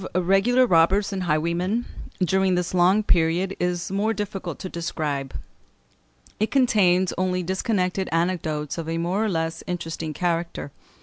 ] The history of regular robbers and highwaymen during this long period is more difficult to describe; it contains only disconnected anecdotes of a more or less interesting character.